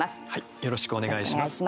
よろしくお願いします。